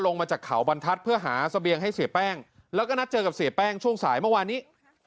ลงมาจากเขาบรรทัศน์เพื่อหาเสบียงให้เสียแป้งแล้วก็นัดเจอกับเสียแป้งช่วงสายเมื่อวานนี้